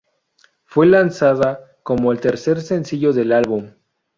Fue lanzada como el tercer sencillo del álbum.